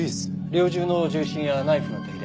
猟銃の銃身やナイフの手入れ